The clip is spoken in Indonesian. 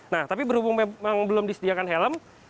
nah tapi berhubung memang belum disediakan helm